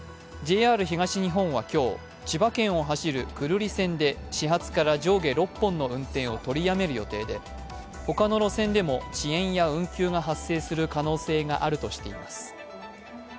ＪＲ東日本は今日千葉県を走る久留里線で始発から上下６本の運転を取りやめる予定でほかの路線でも遅延や運休が発生する可能性があるとしています。